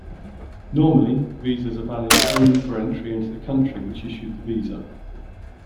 Normally, visas are valid for entry only into the country which issued the visa.